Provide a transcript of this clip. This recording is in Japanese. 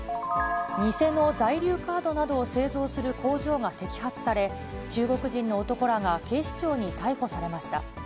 偽の在留カードなどを製造する工場が摘発され、中国人の男らが警視庁に逮捕されました。